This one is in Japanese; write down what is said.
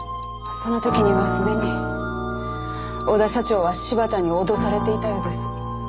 その時にはすでに小田社長は柴田に脅されていたようです。